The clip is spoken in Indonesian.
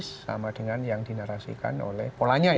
sama persis sama dengan yang dinalasikan oleh polanya ya